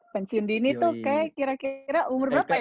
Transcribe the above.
pensiun dini tuh kayak kira kira umur berapa ya